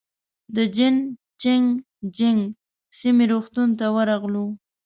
د جين چنګ جيانګ سیمې روغتون ته ورغلو.